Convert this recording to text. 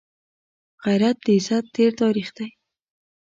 غیرت د عزت تېر تاریخ دی